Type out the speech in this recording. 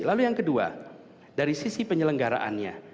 lalu yang kedua dari sisi penyelenggaraannya